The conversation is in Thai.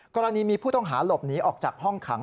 กรณีมีผู้ต้องหาหลบหนีออกจากห้องขัง